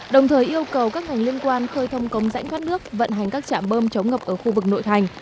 đồng thời yêu cầu các ngành liên quan khơi thông công rãnh thoát nước vận hành các trạm bơm chống ngập ở khu vực nội thành